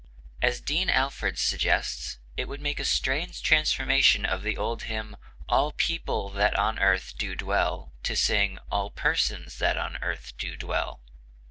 As Dean Alford suggests, it would make a strange transformation of the old hymn "All people that on earth do dwell" to sing "All persons that on earth do dwell."